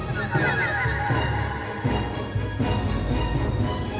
mbak ibu dari sana